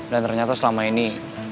dan ternyata selama ini